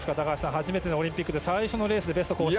初めてのオリンピックで最初のレースでベスト更新。